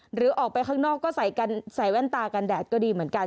หรือออกไปข้างนอกก็ใส่แว่นตากันแดดก็ดีเหมือนกัน